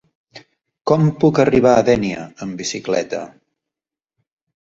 Com puc arribar a Dénia amb bicicleta?